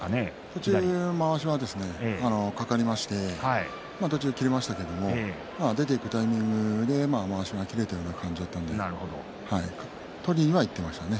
こちらのまわしはかかりまして途中で切れましたけれども出ていくタイミングでまわしが切れたような形で取りにいっていましたね。